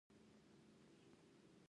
د نازیانو ولسوالۍ لیرې ده